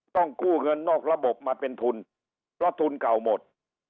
กู้เงินนอกระบบมาเป็นทุนเพราะทุนเก่าหมด